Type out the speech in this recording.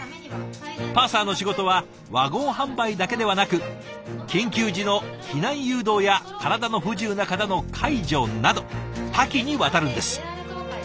パーサーの仕事はワゴン販売だけではなく緊急時の避難誘導や体の不自由な方の介助など多岐にわたるんです。